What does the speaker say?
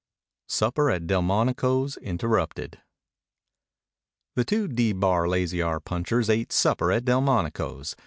CHAPTER V SUPPER AT DELMONICO'S INTERRUPTED The two D Bar Lazy R punchers ate supper at Delmonico's.